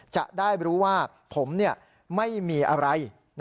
จะได้รู้ว่าผมไม่มีอะไร